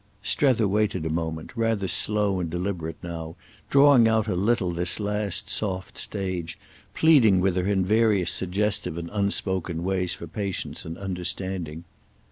Strether waited a moment, rather slow and deliberate now, drawing out a little this last soft stage, pleading with her in various suggestive and unspoken ways for patience and understanding.